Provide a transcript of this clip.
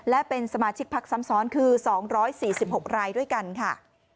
และเป็นสมาชิกพักซ้ำซ้อนคือ๒๔๖รายด้วยกันค่ะ